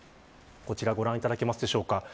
ご覧いただけますでしょうか。